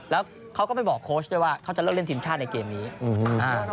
แล้วเขาก็ไปบอกโค้ชด้วยว่าเขาจะเลิกเล่นทีมชาติในเกมนี้อืมอ่า